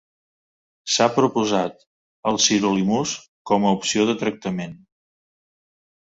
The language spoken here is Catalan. S'ha proposat el sirolimús com a opció de tractament.